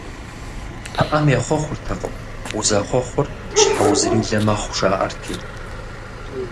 Пыӏэм ехъуэхъуртэкъым, узэхъуэхъур щхьэузрилэ мэхъу, жаӏэрти.